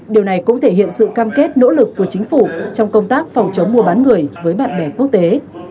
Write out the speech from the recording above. điều này cũng thể hiện sự cam kết nỗ lực của chính phủ trong công tác phòng chống mua bán người với bạn bè quốc tế